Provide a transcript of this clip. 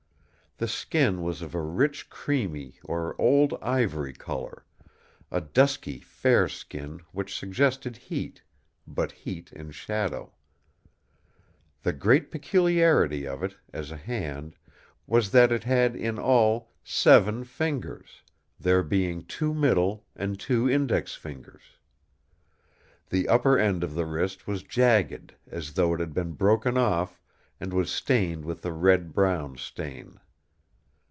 The skin was of a rich creamy or old ivory colour; a dusky fair skin which suggested heat, but heat in shadow. The great peculiarity of it, as a hand, was that it had in all seven fingers, there being two middle and two index fingers. The upper end of the wrist was jagged, as though it had been broken off, and was stained with a red brown stain.